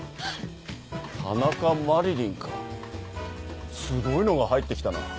田中麻理鈴かすごいのが入って来たな。